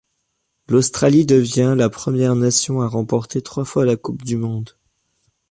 L'Australie devient la première nation à remporter trois fois la Coupe du monde.